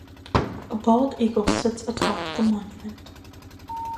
A bald eagle sits atop the monument.